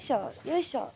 よいしょ！